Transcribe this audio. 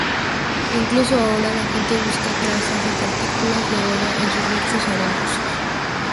Incluso ahora, la gente busca trazas de partículas de oro en sus lechos arenosos.